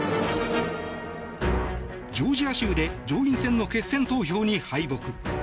ジョージア州で上院選の決選投票に敗北。